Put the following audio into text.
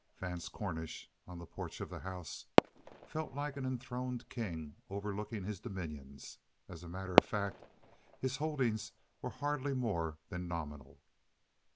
Vance Cornish, on the porch of the house, felt like an enthroned king overlooking his dominions. As a matter of fact, his holdings were hardly more than nominal.